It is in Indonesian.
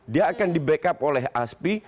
dia akan di backup oleh aspi